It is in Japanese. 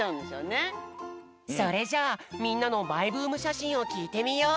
それじゃみんなのマイブームしゃしんをきいてみよう！